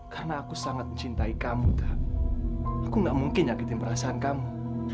karena aku sangat mencintai kamu tar aku nggak mungkin nyakitin perasaan kamu